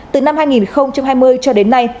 từ năm hai nghìn hai mươi cho đến nay